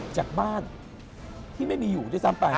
จากบ้านที่ไม่มีอยู่ด้วยซ้ำไป